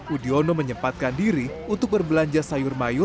udiono menyempatkan diri untuk berbelanja sayur mayur